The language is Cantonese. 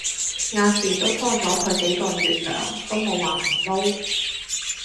亞視都拖咗佢幾個月糧都冇話唔撈